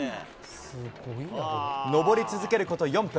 登り続けること４分。